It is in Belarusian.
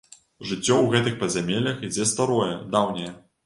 Жыццё ў гэтых падзямеллях ідзе старое, даўняе.